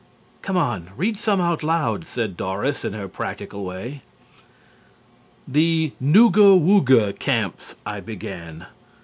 "Come on, read some out loud," said Doris in her practical way. "'The Nooga Wooga Camps,'" I began.